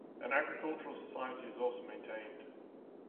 An agricultural society is also maintained.